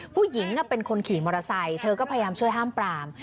ผู้หญิงเป็นคนขี่มอเทศยิมก็พยายามช่วยห้ามปร่าม